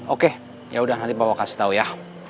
oke yaudah nanti bapak kasih tau ya